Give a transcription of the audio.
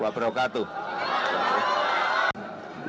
wa'alaikumsalam warahmatullahi wabarakatuh